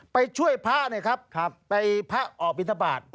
ไปช่วยพาไปพาออกบินทบาท